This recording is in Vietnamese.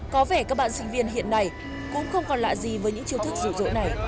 có vẻ các bạn sinh viên hiện nay cũng không còn lạ gì với những chiêu thức rụ rỗ này